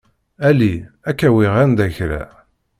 Ali. Ad k-awiɣ anda kra.